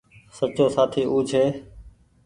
سچو سآٿي او ڇي